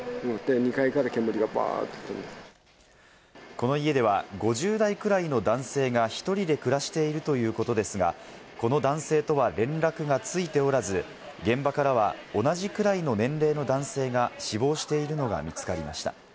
この家では５０代くらいの男性が１人で暮らしているということですが、この男性とは連絡がついておらず、現場からは同じくらいの年齢の男性が死亡しているのが見つかりました。